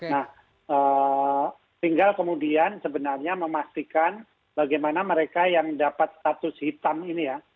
nah tinggal kemudian sebenarnya memastikan bagaimana mereka yang dapat status hitam ini ya